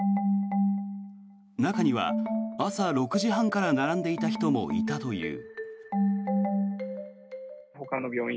中には朝６時半から並んでいた人もいたという。